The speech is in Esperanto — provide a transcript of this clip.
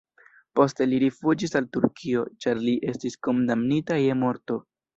Poste li rifuĝis al Turkio, ĉar li estis kondamnita je morto.